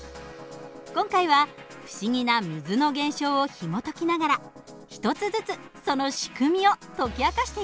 今回は不思議な水の現象をひもときながら一つずつその仕組みを解き明かしていきましょう。